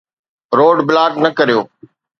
Road block نه ڪريو.